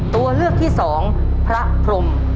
ตัวเลือกที่สองพระพรม